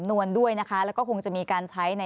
คุณนายจำได้ไหมค่ะ